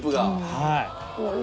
はい。